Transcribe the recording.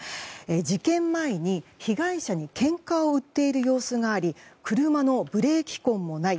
事件前に被害者にけんかを売っている様子があり車のブレーキ痕もない。